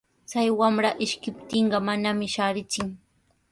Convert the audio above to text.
Chay wamra ishkiptin mamanmi shaarichin.